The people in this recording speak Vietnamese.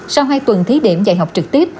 sau hai tuần thí điểm dạy học trực tiếp